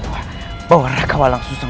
bawalah raka walang susang